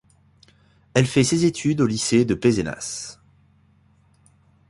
Elle fait ses études au lycée de Pézenas.